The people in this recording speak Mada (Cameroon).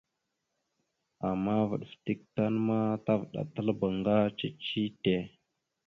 Ama vaɗ fətek tan ma tavəɗataləbáŋga cici tte.